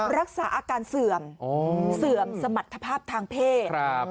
รักษาอาการเสื่อมเสื่อมสมรรถภาพทางเพศ